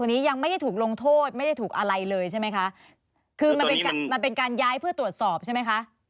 มันเป็นการย้ายเพื่อตรวจสอบใช่ไหมคะ